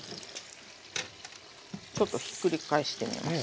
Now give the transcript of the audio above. ちょっとひっくり返してみますね。